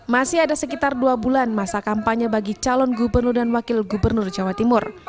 masih ada sekitar dua bulan masa kampanye bagi calon gubernur dan wakil gubernur jawa timur